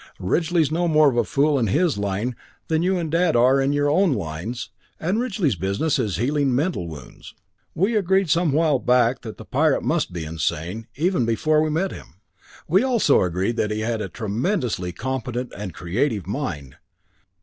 Ridgely's no more of a fool in his line than you and Dad are in your own lines, and Ridgely's business is healing mental wounds. We agreed some while back that the Pirate must be insane, even before we met him. "We also agreed that he had a tremendously competent and creative mind.